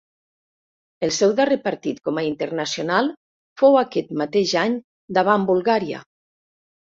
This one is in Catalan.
El seu darrer partit com a internacional fou aquest mateix any davant Bulgària.